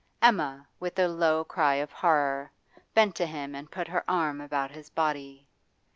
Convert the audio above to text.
Emma, with a low cry of horror, bent to him and put her arm about his body.